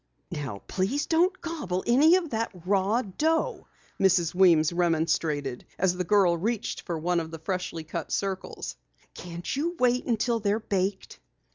"Now please don't gobble any of that raw dough!" Mrs. Weems remonstrated as the girl reached for one of the freshly cut circles. "Can't you wait until they're baked?"